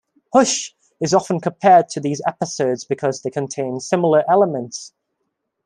"Hush" is often compared to these episodes because they contain similar elements.